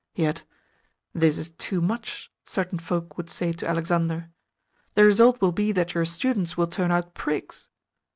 Yet "This is too much," certain folk would say to Alexander. "The result will be that your students will turn out prigs."